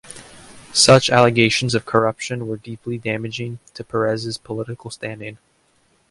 Such allegations of corruption were deeply damaging to Perez's political standing.